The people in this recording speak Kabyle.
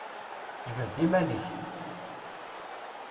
Jbed-d iman-ik!